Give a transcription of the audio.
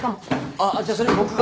あっじゃあそれ僕が。